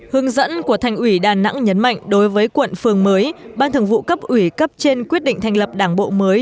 hướng dẫn của thành ủy đà nẵng nhấn mạnh đối với quận phường mới ban thường vụ cấp ủy cấp trên quyết định thành lập đảng bộ mới